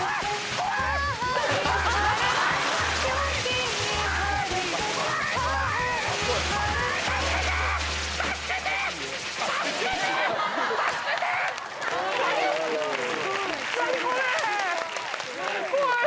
怖い！